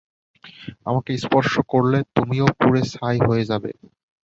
আমাকে স্পর্শ করলে তুমিও পুড়ে ছাই হয়ে যাবে।